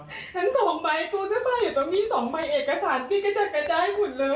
ทั้ง๒ไมค์สูตรเซฟาอยู่ตรงนี้๒ไมค์เอกสารพี่ก็จะกันได้หมดเลย